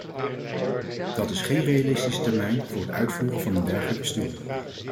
Dat is geen realistische termijn voor het uitvoeren van een dergelijke studie.